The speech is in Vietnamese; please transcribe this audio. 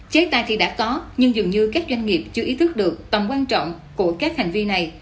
chế tài thì đã có nhưng dường như các doanh nghiệp chưa ý thức được tầm quan trọng của các hành vi này